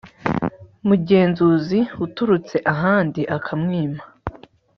mugenzuzi uturutse ahandi akamwima